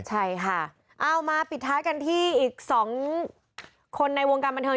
ใช่ค่ะเอามาปิดท้ายกันที่อีกสองคนในวงการบันเทิง